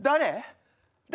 誰！？